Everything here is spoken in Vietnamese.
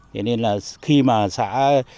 thế nên là khi mà xã mà nắm được là cái thông tin đó